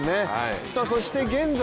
そして現在